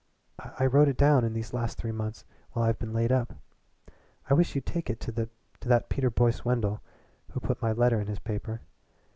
I wrote it down in these last three months while I've been laid up. I wish you'd take it to that Peter Boyce Wendell who put my letter in his paper.